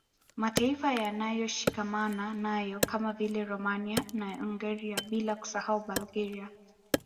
Mataifa yaliyoshikamana nayo kama vile Romania na Hungaria bila kusahau Bulgaria